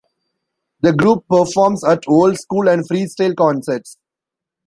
The group performs at old-school and freestyle concerts.